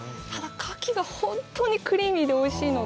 牡蠣が本当にクリーミーで、おいしいので。